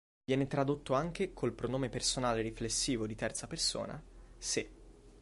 Viene tradotto anche col pronome personale riflessivo di terza persona Sé.